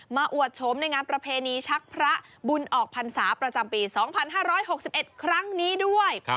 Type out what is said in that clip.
อวดโฉมในงานประเพณีชักพระบุญออกพรรษาประจำปี๒๕๖๑ครั้งนี้ด้วย